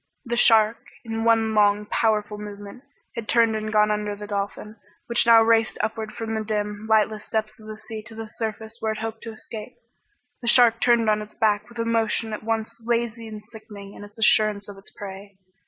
The shark, in one long powerful movement, had turned and gone under the dolphin, which now raced upward from the dim, lightless depths of the sea to the surface where it hoped to escape. The shark turned on its back with a motion at once lazy and sickening in its assurance of its prey.